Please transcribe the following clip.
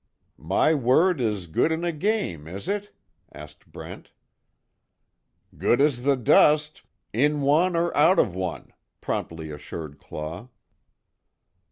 "My word is good in a game, is it?" asked Brent. "Good as the dust in one, or out of one," promptly assured Claw.